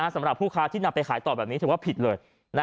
สำหรับผู้ค้าที่นำไปขายต่อแบบนี้ถือว่าผิดเลย